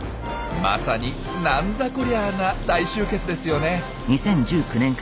まさに「なんだこりゃ！！」な大集結ですよね。